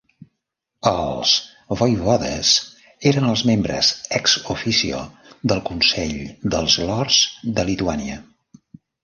Els voivodes eren els membres "ex officio" del Consell dels lords de Lituània.